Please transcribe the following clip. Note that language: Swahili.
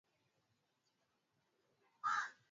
wameshuhudia nyumba zao zikisombwa na maji